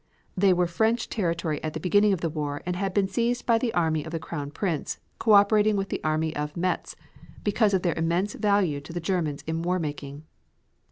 They were French territory at the beginning of the war and had been seized by the army of the Crown Prince, co operating with the Army of Metz because of their immense value to the Germans in war making.